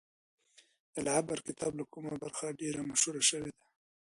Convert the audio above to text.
د العبر کتاب کومه برخه ډیره مشهوره ده؟